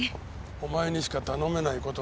お前にしか頼めない事なんだよ。